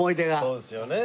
そうですよね。